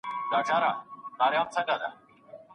ورزش کول د انسان د ژوند برخه ده.